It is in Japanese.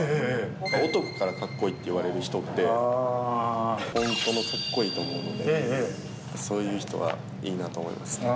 男からかっこいいっていわれる人って、本当のかっこいいと思うので、そういう人はいいなと思いますね。